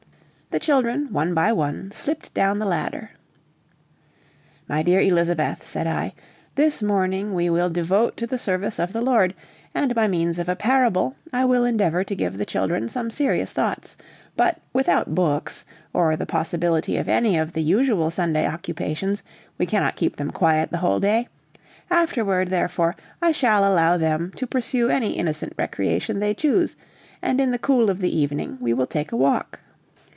The children, one by one, slipped down the ladder. "My dear Elizabeth," said I, "this morning we will devote to the service of the Lord, and by means of a parable, I will endeavor to give the children some serious thoughts; but, without books, or the possibility of any of the usual Sunday occupations, we cannot keep them quiet the whole day; afterward, therefore, I shall allow them to pursue any innocent recreation they choose, and in the cool of the evening we will take a walk."